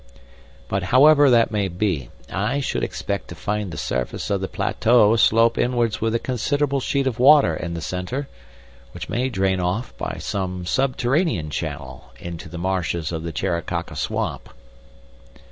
But, however that may be, I should expect to find the surface of the plateau slope inwards with a considerable sheet of water in the center, which may drain off, by some subterranean channel, into the marshes of the Jaracaca Swamp."